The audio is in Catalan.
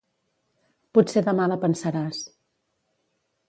Potser demà la pensaràs.